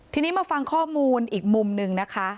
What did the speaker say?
ทีนี้มาฟังข้อมูลอีกมุมหนึ่งนะคะ